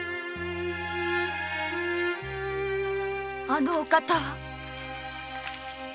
あのお方は？